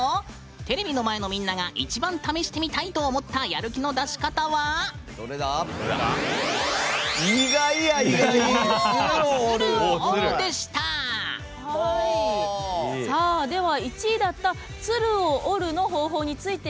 テレビの前のみんなが一番試した見たいと思ったやる気の出し方は鶴を折るでした！